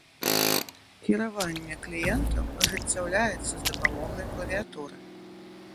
Кіраванне кліентам ажыццяўляецца з дапамогай клавіятуры.